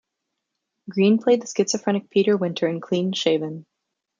Greene played the schizophrenic Peter Winter in "Clean, Shaven".